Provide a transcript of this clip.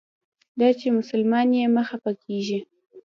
دا چې مسلمان یې مه خپه کیږه.